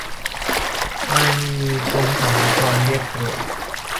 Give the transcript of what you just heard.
กรณีกรมสรรพากรเรียกตรวจ